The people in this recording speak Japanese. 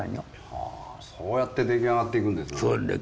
はぁそうやって出来上がっていくんですな。